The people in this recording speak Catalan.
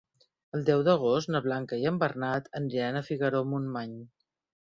El deu d'agost na Blanca i en Bernat aniran a Figaró-Montmany.